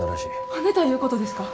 はねたいうことですか？